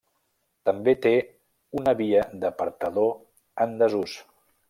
També té una via d'apartador en desús.